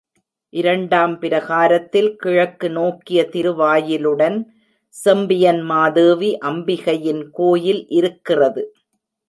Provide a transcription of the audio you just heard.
இரண்டாம் பிரகாரத்தில் கிழக்கு நோக்கிய திருவாயிலுடன் செம்பியன் மாதேவி அம்பிகையின் கோயில் இருக்கிறது.